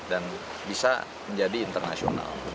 dan bisa menjadi internasional